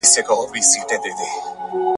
نه پوهیږي چي دی څوک دی د کوم قام دی !.